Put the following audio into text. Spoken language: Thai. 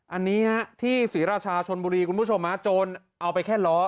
อันนี้ฮะที่ศรีราชาชนบุรีคุณผู้ชมฮะโจรเอาไปแค่ล้อ